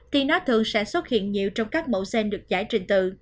thì nó thường sẽ xuất hiện nhiều trong các mẫu xen được giải trình tự